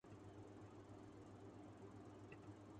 یہ کوئی لازم نہ تھا کہ مسئلہ سپریم کورٹ کو جاتا۔